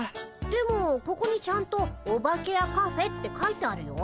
でもここにちゃんと「オバケやカフェ」って書いてあるよ。